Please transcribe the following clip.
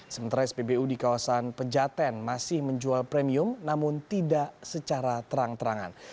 sementara spbu di kawasan pejaten masih menjual premium namun tidak secara terang terangan